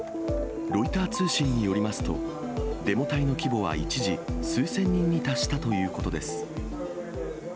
ロイター通信によりますと、デモ隊の規模は一時、数千人に達したということです。